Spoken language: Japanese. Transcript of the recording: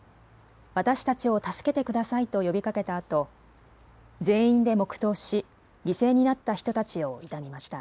私たちを助けてくださいと呼びかけたあと全員で黙とうし犠牲になった人たちを悼みました。